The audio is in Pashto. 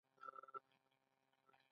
د پیتالوژي علم د بدن هره برخه پېژني.